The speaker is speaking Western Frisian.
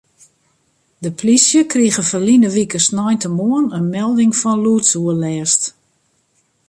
De plysje krige ferline wike sneintemoarn in melding fan lûdsoerlêst.